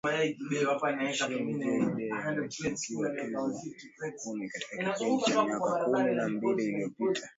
nchini Jay Dee ametunukiwa tuzo kumi katika kipindi cha miaka kumi na mbili iliyopita